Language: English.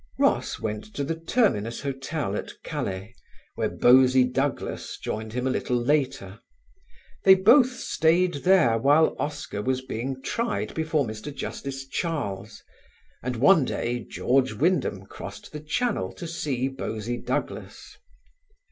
Ross went to the Terminus Hotel at Calais, where Bosie Douglas joined him a little later. They both stayed there while Oscar was being tried before Mr. Justice Charles and one day George Wyndham crossed the Channel to see Bosie Douglas.